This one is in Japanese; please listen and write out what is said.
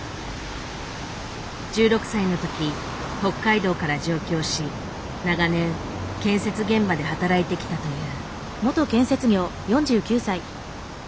１６歳の時北海道から上京し長年建設現場で働いてきたという。